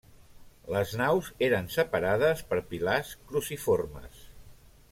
Les naus eren separades per pilars cruciformes.